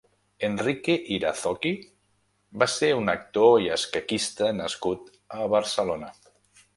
Enrique Irazoqui va ser un actor i escaquista nascut a Barcelona.